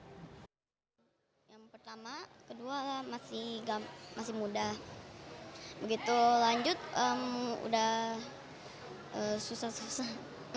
yang pertama kedua masih muda begitu lanjut udah susah susah